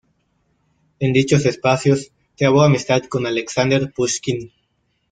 En dichos espacios trabó amistad con Alexander Pushkin.